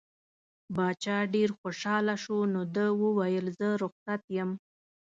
باچا ډېر خوشحاله شو نو ده وویل زه رخصت یم.